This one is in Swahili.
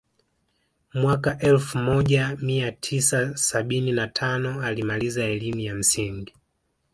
Mwaka elfu moja mia tisa sabini na tano alimaliza elimu ya msingi